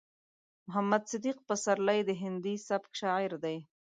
محمد صديق پسرلی د هندي سبک شاعر دی.